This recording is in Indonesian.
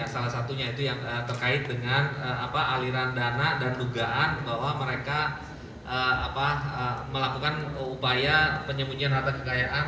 salah satunya itu yang terkait dengan aliran dana dan dugaan bahwa mereka melakukan upaya penyembunyian harta kekayaan